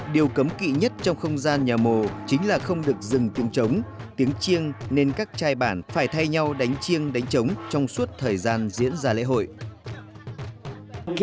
điều cấm kỵ nhất trong không gian nhà mồ chính là không được dừng tiếng trống tiếng chiêng nên các trai bản phải thay nhau đánh chiêng đánh trống trong suốt thời gian diễn ra lễ hội